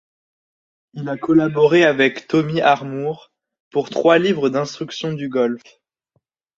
Il a collaboré avec Tommy Armour pour trois livres d'instructions du golf.